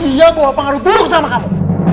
dia tuh apa yang berpengaruh buruk sama kamu